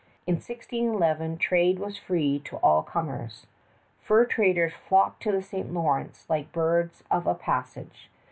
In 1611 trade was free to all comers. Fur traders flocked to the St. Lawrence like birds of passage.